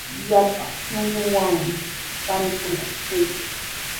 Llapan shunquuwanmi paniikunata kuyaa.